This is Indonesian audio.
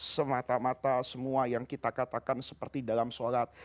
semata mata semua yang kita katakan seperti dalam sholat